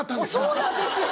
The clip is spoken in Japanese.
そうなんですよ。